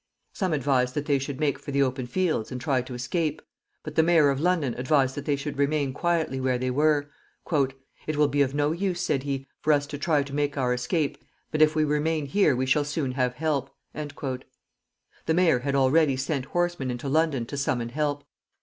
Some advised that they should make for the open fields, and try to escape; but the mayor of London advised that they should remain quietly where they were. "It will be of no use," said he, "for us to try to make our escape, but if we remain here we shall soon have help." The mayor had already sent horsemen into London to summon help.